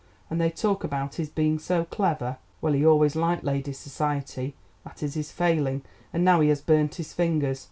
And they talk about his being so clever. Well, he always liked ladies' society; that is his failing, and now he has burnt his fingers.